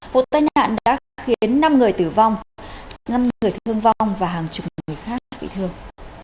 vụ tai nạn đã khiến năm người tử vong năm người thương vong và hàng chục người khác bị thương